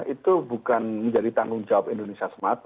itu bukan menjadi tanggung jawab indonesia semata